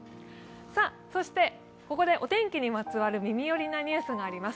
そして、お天気にまつわる耳寄りなニュースがあります。